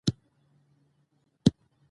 سیاسي مشارکت د ځوان نسل د مسؤلیت احساس زیاتوي